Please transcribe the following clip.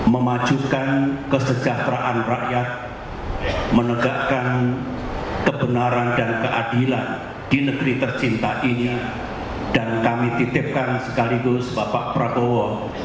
memajukan kesejahteraan rakyat menegakkan kebenaran dan keadilan di negeri tercinta ini dan kami titipkan sekaligus bapak prabowo